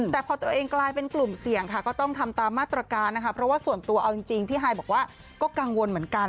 แต่พอตัวเองกลายเป็นกลุ่มเสี่ยงค่ะก็ต้องทำตามมาตรการนะคะเพราะว่าส่วนตัวเอาจริงพี่ฮายบอกว่าก็กังวลเหมือนกัน